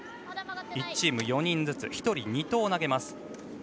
１チーム４人ずつ１人２投を投げます。